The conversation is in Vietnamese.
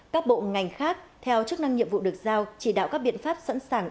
các bộ ngành khác theo chức năng nhiệm vụ được giao chỉ đạo các biện pháp sẵn sàng